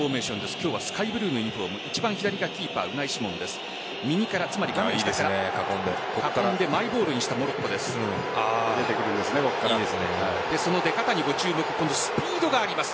今日はスカイブルーのユニホーム一番左がキーパー・ウナイシモンです。